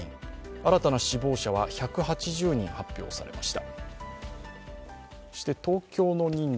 新たな死亡者は１８０人発表されました。